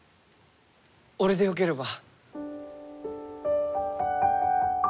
俺でよければ。